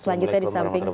selanjutnya di samping